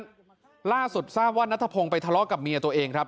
ล่าสุดทราบว่านัทพงศ์ไปทะเลาะกับเมียตัวเองครับ